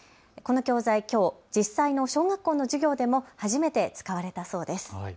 この教材きょう、実際の小学校の授業でも初めて使われたそうです。